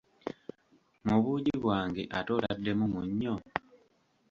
Mu buugi bwange ate otaddemu munnyo!